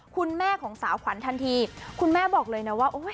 คุณแม่ของสาวขวัญทันทีคุณแม่บอกเลยนะว่า